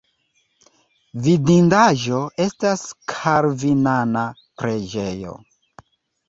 Vidindaĵo estas kalvinana preĝejo.